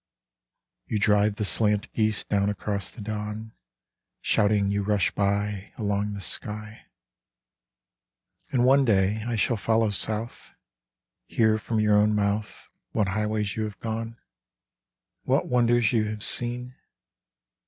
You drive the slant geese down across the dawn : Shouting you rush by Along the sky ! And one day I shall follow south, Hear from your own mouth What highways you have gone, What wonders you have seen.